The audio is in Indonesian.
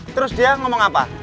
terus dia ngomong apa